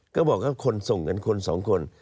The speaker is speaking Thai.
ก็บอกว่าคนส่งกันคนสองคน